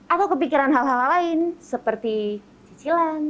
atau kepikiran hal hal lain seperti cicilan atau permasalahan asmara mungkin